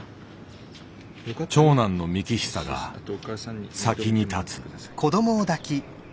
長男の幹久が先に発つ。